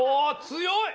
強い！